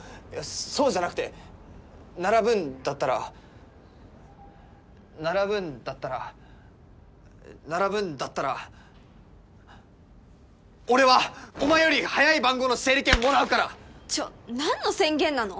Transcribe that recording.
そうじゃなくて並ぶんだったら並ぶんだったら並ぶんだったら俺はお前より早い番号の整理券もらうからちょっなんの宣言なの？